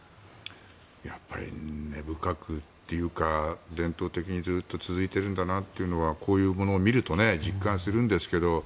やっぱり根深くというか伝統的にずっと続いているんだなというのはこういうものを見ると実感するんですが。